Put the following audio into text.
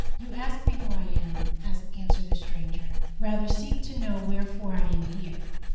"You ask me who I am," answered the stranger:—"rather seek to know wherefore I am here!